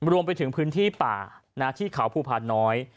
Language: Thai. รวมไปถึงพื้นที่ป่าที่เขาภูพาน้อย